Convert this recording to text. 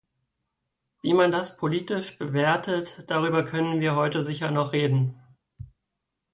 Wie man das politisch bewertet, darüber können wir heute sicher noch reden.